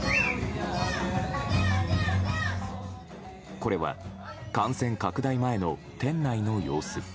これは、感染拡大前の店内の様子。